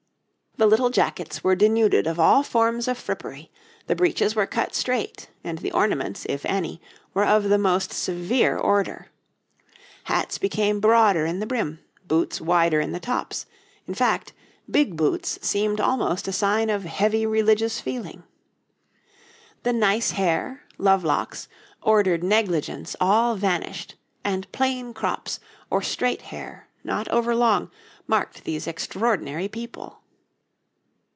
The little jackets were denuded of all forms of frippery, the breeches were cut straight, and the ornaments, if any, were of the most severe order. Hats became broader in the brim, boots wider in the tops, in fact, big boots seemed almost a sign of heavy religious feeling. The nice hair, love locks, ordered negligence all vanished, and plain crops or straight hair, not over long, marked these extraordinary people.